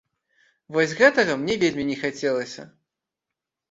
Вось гэтага мне вельмі не хацелася.